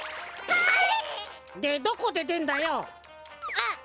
あっ！